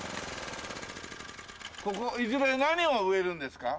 ここいずれ何を植えるんですか？